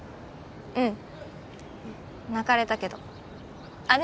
うん泣かれたけどあっ